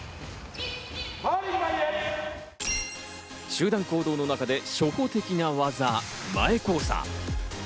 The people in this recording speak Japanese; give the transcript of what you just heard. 集団行動の中で初歩的な技、前交差。